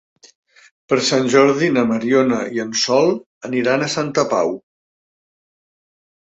Per Sant Jordi na Mariona i en Sol aniran a Santa Pau.